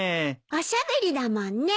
おしゃべりだもんね。